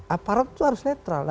aparat itu harus netral